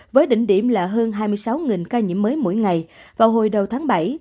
với đỉnh điểm là hơn hai mươi sáu ca nhiễm mới mỗi ngày vào hồi đầu tháng bảy